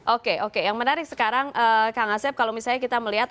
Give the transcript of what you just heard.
oke oke yang menarik sekarang kang asep kalau misalnya kita melihat